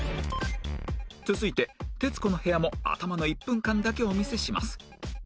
続いて『徹子の部屋』も頭の１分間だけお見せします